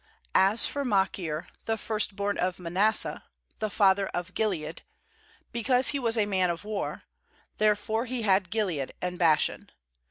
As for Machir the first born of Manasseh, the father of Gilead, because he was a man of war, therefore he had Gilead and Bashan.